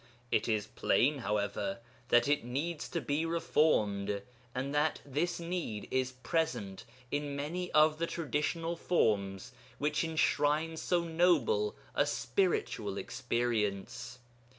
It is plain, however, that it needs to be reformed, and that this need is present in many of the traditional forms which enshrine so noble a spiritual experience.